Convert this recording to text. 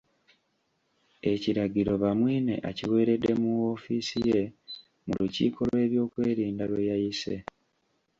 Ekiragiro Bamwine akiweeredde mu woofiisi ye mu lukiiko lw'ebyokwerinda lwe yayise.